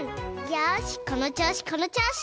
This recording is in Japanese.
よしこのちょうしこのちょうし！